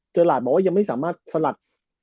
เจอร์หลัดบอกว่ายังไม่สามารถสลัด